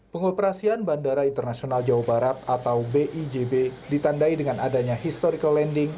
pengoperasian bandara internasional jawa barat atau bijb ditandai dengan adanya historical landing